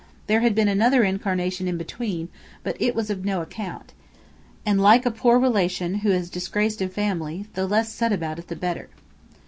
There had been another incarnation in between, but it was of no account, and, like a poor relation who has disgraced a family, the less said about it the better.